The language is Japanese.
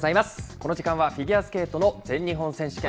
この時間はフィギュアスケートの全日本選手権。